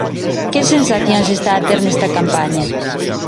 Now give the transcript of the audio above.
Que sensacións está a ter nesta campaña?